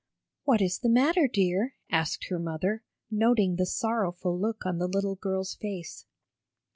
"What is the matter, dear?" asked her mother, noting the sorrowful look on the little girl's face.